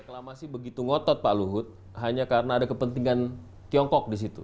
reklamasi begitu ngotot pak luhut hanya karena ada kepentingan tiongkok disitu